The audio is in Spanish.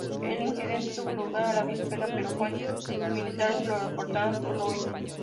El incidente tuvo lugar la víspera pero fuentes militares lo reportaron sólo hoy.